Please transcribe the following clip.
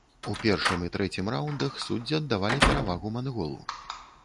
У першым і трэцім раўндах суддзі аддавалі перавагу манголу.